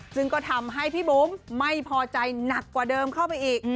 ซึ่งก็ทำให้พี่บุ๋มไม่พอใจหนักกว่าเดิมเข้าไปอีก